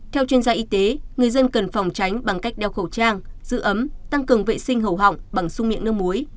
theo chuyên gia y tế người dân cần phòng tránh bằng cách đeo khẩu trang giữ ấm tăng cường vệ sinh hầu họng bằng sung miệng nước muối